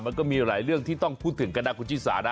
มันก็มีหลายเรื่องที่ต้องพูดถึงกันนะคุณชิสานะ